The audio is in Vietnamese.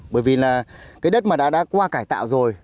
bởi vì là cái đất mà đã qua cải tạo rồi